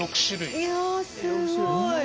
いやすごい。